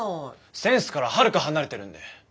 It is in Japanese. センスからはるか離れてるんで。